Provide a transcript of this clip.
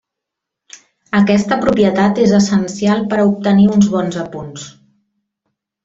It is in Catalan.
Aquesta propietat és essencial per a obtenir uns bons apunts.